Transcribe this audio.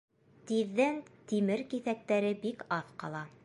Тиҙҙән тимер киҫәктәре бик аҙ ҡала.